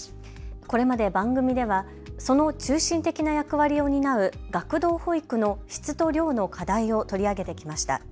これまで番組ではその中心的な役割を担う学童保育の質と量の課題を取り上げてきました。